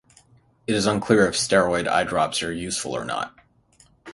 It is unclear if steroid eye drops are useful or not.